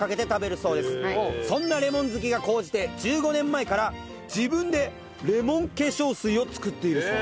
そんなレモン好きが高じて１５年前から自分でレモン化粧水を作っているそう。